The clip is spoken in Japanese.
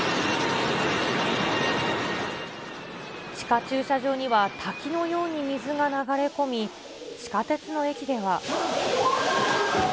地下駐車場には、滝のように水が流れ込み、地下鉄の駅では。